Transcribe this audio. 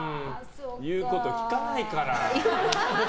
言うこと聞かないから。